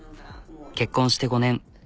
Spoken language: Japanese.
結婚して５年。